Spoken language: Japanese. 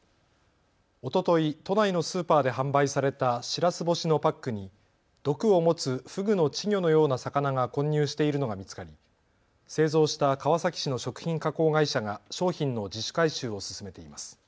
おととい都内のスーパーで販売されたしらす干しのパックに毒を持つフグの稚魚のような魚が混入しているのが見つかり製造した川崎市の食品加工会社が商品の自主回収を進めています。